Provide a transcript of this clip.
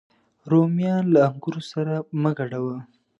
رومیان له انګورو سره مه ګډوه